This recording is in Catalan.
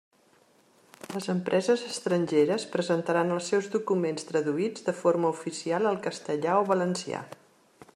Les empreses estrangeres presentaran els seus documents traduïts de forma oficial al castellà o valencià.